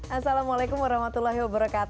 assalamualaikum wr wb